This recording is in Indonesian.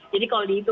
jadi kalau dihitung